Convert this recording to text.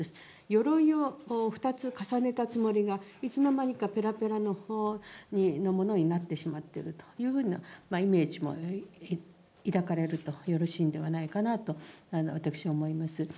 よろいを２つ重ねたつもりが、いつのまにかぺらぺらのものになってしまっているというふうなイメージも抱かれるとよろしいんではないかなと、私、思います。